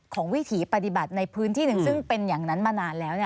วิถีปฏิบัติในพื้นที่หนึ่งซึ่งเป็นอย่างนั้นมานานแล้ว